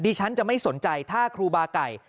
ฉันจะไม่สนใจถ้าครูบาไก่